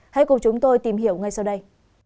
hãy cùng chúng tôi tìm hiểu ngay sau đây